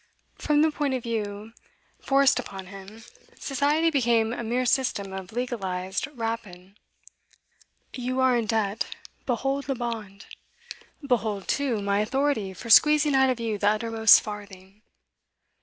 From the point of view forced upon him, society became a mere system of legalised rapine. 'You are in debt; behold the bond. Behold, too, my authority for squeezing out of you the uttermost farthing.